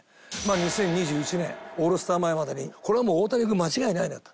２０２１年オールスター前までにこれはもう大谷君間違いないなと。